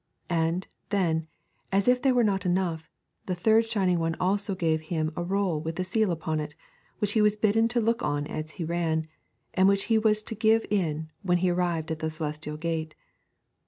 And, then, as if that were not enough, the third Shining One also gave him a roll with a seal upon it, which he was bidden look on as he ran, and which he was to give in when he arrived at the Celestial Gate.